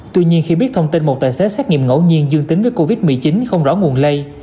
tuy nhiên khi biết thông tin một tài xế xét nghiệm ngẫu nhiên dương tính với covid một mươi chín không rõ nguồn lây